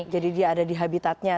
jadi dia ada di habitatnya